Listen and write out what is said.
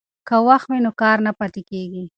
که وخت وي نو کار نه پاتیږي.